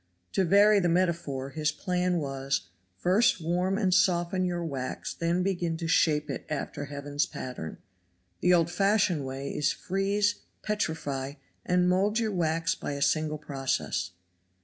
To vary the metaphor, his plan was, first warm and soften your wax then begin to shape it after Heaven's pattern. The old fashioned way is freeze, petrify and mold your wax by a single process.